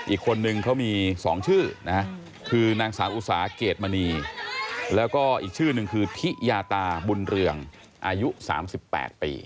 อีกคนนึงเขามี๒ชื่อนะคือนางสาวอุสาเกรดมณีแล้วก็อีกชื่อนึงคือทิยาตาบุญเรืองอายุ๓๘ปี